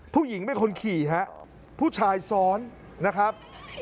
ผู้หญิงไม่ควรขี่ครับผู้ชายซ้อนนะครับ